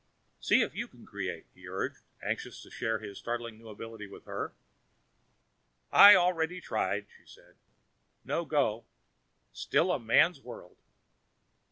"See if you can create," he urged, anxious to share his startling new ability with her. "I've already tried," she said. "No go. Still a man's world."